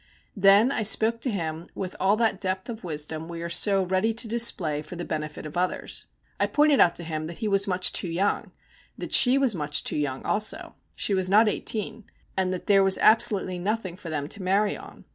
Then I spoke to him with all that depth of wisdom we are so ready to display for the benefit of others. I pointed out to him that he was much too young, that she was much too young also she was not eighteen and that there was absolutely nothing for them to marry on.